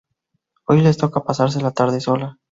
Hoy le toca pasarse la tarde sola